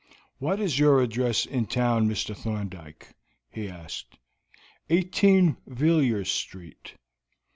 "What is your address in town, Mr. Thorndyke?" he asked. "18 Villiers Street."